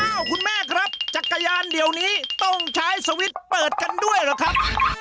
คุณแม่ครับจักรยานเดี๋ยวนี้ต้องใช้สวิตช์เปิดกันด้วยเหรอครับ